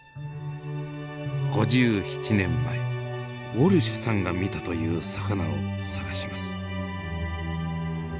５７年前ウォルシュさんが見たという魚を探します。